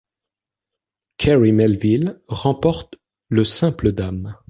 Kerry Melville remporte le simple dames.